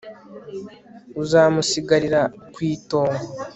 uzamusigarira ku itongo